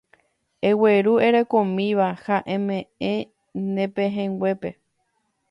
Egueru erekomíva ha eme'ẽ ne pehẽnguépe